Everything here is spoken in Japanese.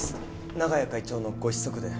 長屋会長のご子息で。